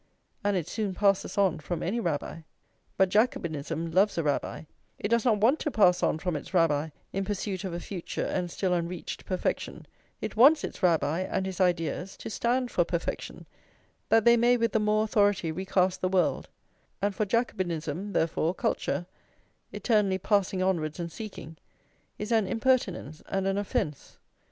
and it soon passes on from any Rabbi. But Jacobinism loves a Rabbi; it does not want to pass on from its Rabbi in pursuit of a future and still unreached perfection; it wants its Rabbi and his ideas to stand for perfection, that they may with the more authority recast the world; and for Jacobinism, therefore, culture, eternally passing onwards and seeking, is an impertinence and an offence.